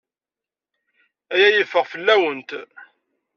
Aya yeffeɣ fell-awent.